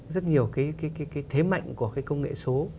rất nhiều cái thế mạnh của cái công nghệ số